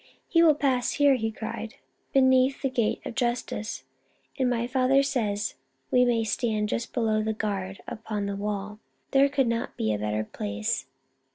" He will pass here," he cried, " beneath the Gate of Justice, and my father says we may Viva el Rey! 123 stand just behind the guard upon the wall ; there could not be a better place.